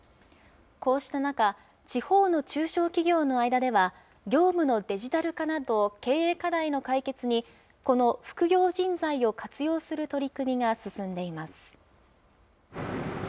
こうした中、地方の中小企業の間では、業務のデジタル化など、経営課題の解決にこの副業人材を活用する取り組みが進んでいます。